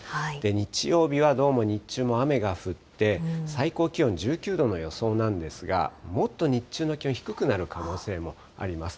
日曜日はどうも日中も雨が降って、最高気温１９度の予想なんですが、もっと日中の気温、低くなる可能性もあります。